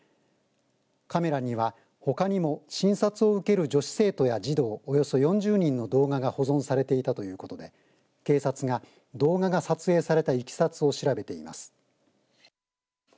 カメラには、ほかにも診察を受ける女子生徒や児童およそ４０人の動画が保存されていたということで警察が動画が撮影されたいきさつを調べています。